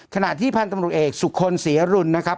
ขณะที่พันธุ์ทำรุกเอกสุขคนเสียหรุ่นนะครับ